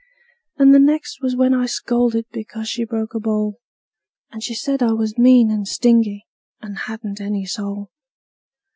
And the next was when I scolded because she broke a bowl; And she said I was mean and stingy, and hadn't any soul.